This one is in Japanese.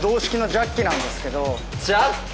ジャッキ！